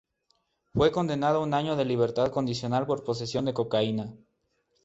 Fue condenado a un año de libertad condicional por posesión de cocaína.